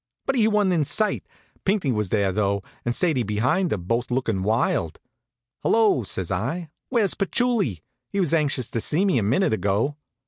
But he wa'n't in sight. Pinckney was there though, and Sadie behind him, both lookin' wild. "Hello!" says I. "Where's Patchouli? He was anxious to see me a minute ago."